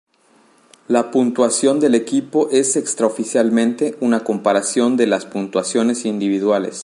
La puntuación del equipo es extraoficialmente una comparación de las puntuaciones individuales.